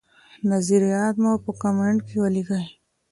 نظریات مو په کمنټ کي ولیکئ.